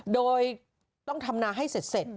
โดยต้องทำนาให้เสร็จ